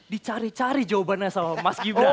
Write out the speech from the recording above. dicari cari jawabannya sama mas gibran